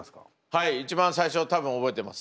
はい一番最初多分覚えてます。